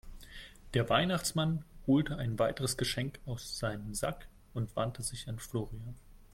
Der Weihnachtsmann holte ein weiteres Geschenk aus seinem Sack und wandte sich an Florian.